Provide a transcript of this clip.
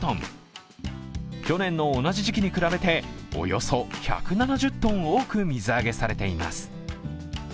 去年の同じ時期に比べて、およそ１７０ｔ多く水揚げされています。